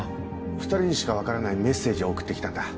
２人にしか分からないメッセージを送って来たんだ。